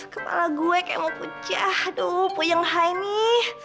kepala gue kayak mau pucah aduh puyung hai nih